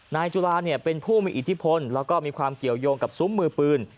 นายจุลาเป็นผู้มีอิทธิพลแล้วก็มีความเกี่ยวยงกับซุ้มมือปืน